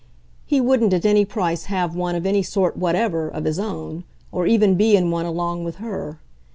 He wouldn't at any price, have one, of any sort whatever, of his own, or even be in one along with her.